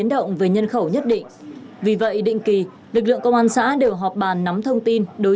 động về nhân khẩu nhất định vì vậy định kỳ lực lượng công an xã đều họp bàn nắm thông tin đối